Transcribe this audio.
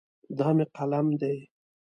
دا مې قلم دی.